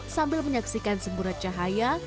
sambil menyaksikan semburan cahaya